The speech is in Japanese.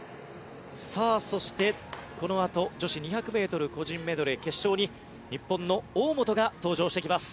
そして、このあと女子２００ｍ個人メドレー決勝に日本の大本が登場してきます。